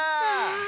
あ。